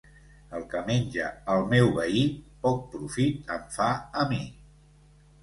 El que menja el meu veí, poc profit em fa a mi.